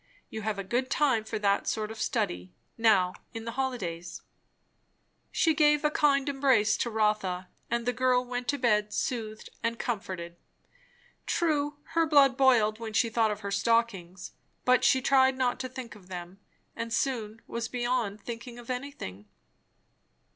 You have a good time for that sort of study, now in the holidays." She gave a kind embrace to Rotha; and the girl went to bed soothed and comforted. True, her blood boiled when she thought of her stockings; but she tried not to think of them, and soon was beyond thinking of anything.